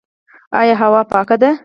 آیا هوا پاکه ده؟